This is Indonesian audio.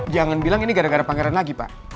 jangan bilang ini gara gara pangeran lagi pak